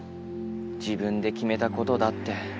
自分で決めたことだって。